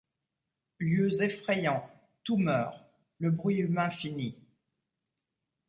Lieux effrayants ! tout meurt ; le bruit humain finit.